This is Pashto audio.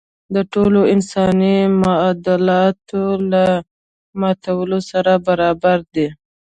د ټولو انساني معاهداتو له ماتولو سره برابر دی.